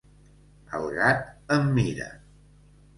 El gat em mira.